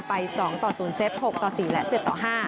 ไป๒ต่อ๐เซต๖ต่อ๔และ๗ต่อ๕